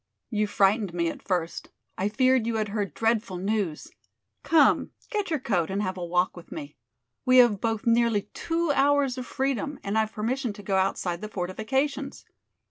You frightened me at first; I feared you had heard dreadful news. Come, get your coat and have a walk with me. We have both nearly two hours of freedom and I've permission to go outside the fortifications."